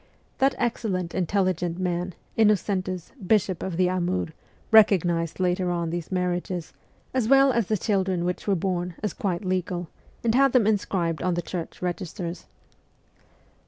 That excellent, intelligent man, Innocentus, bishop of the Amur, recognized, later on, these marriages, as well as the children which were born, as quite legal, and had them inscribed on the Church registers.